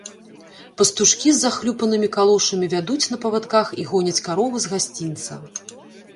Пастушкі з захлюпанымі калошамі вядуць на павадках і гоняць каровы з гасцінца.